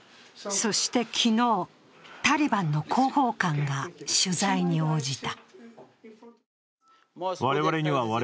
そして昨日、タリバンの広報官が取材に応じた。